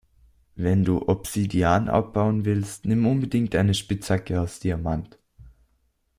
Wenn du Obsidian abbauen willst, nimm unbedingt eine Spitzhacke aus Diamant.